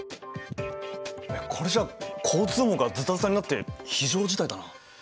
これじゃ交通網がズタズタになって非常事態だな。